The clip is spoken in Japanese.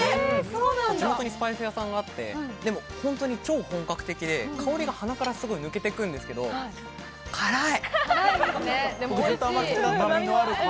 地元にスパイス屋さんがあって、本当に超本格的で香りが鼻から抜けていくんですが、辛い。